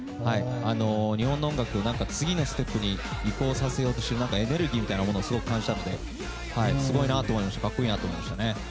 日本の音楽を次のステップに移行させようとしているエネルギーみたいなものを感じたのですごいな、格好いいなと思いましたね。